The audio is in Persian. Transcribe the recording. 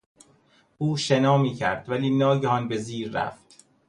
او شنا میکرد ولی ناگهان به زیر رفت.